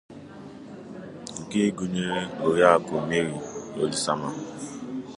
nke gụnyere Oriakụ Mary Olisamah